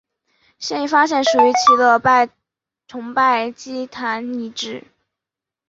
现已发现属于其的崇拜祭坛遗址。